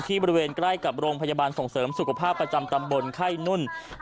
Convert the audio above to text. บริเวณใกล้กับโรงพยาบาลส่งเสริมสุขภาพประจำตำบลไข้นุ่น